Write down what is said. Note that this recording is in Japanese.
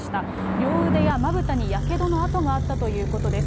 両腕やまぶたに、やけどの痕があったということです。